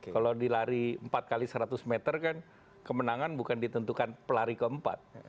kalau dilari empat x seratus meter kan kemenangan bukan ditentukan pelari keempat